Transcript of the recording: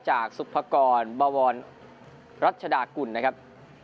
จากทรุปภาษาธรรมบะวอนรัชฎาคุณครับ